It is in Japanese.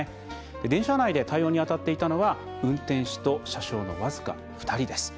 電車内で対応に当たっていたのは運転士と車掌の僅か２人です。